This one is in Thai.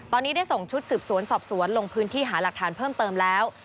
ตอนนี้ได้ส่งชุดสืบสวนสอบสวนลงพื้นที่หาหลักฐานเพิ่มเติมแล้ว